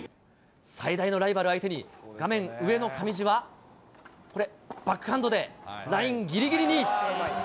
最大のライバル相手に、画面上の上地は、これ、バックハンドでラインぎりぎりに。